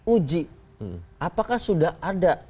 uji apakah sudah ada